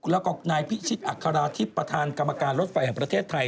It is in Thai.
แล้วก็นายพิชิตอัคราธิบประธานกรรมการรถไฟแห่งประเทศไทย